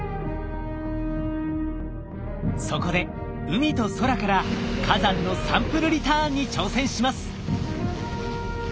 そこで海と空から火山のサンプルリターンに挑戦します。